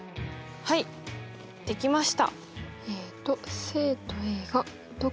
はいできました。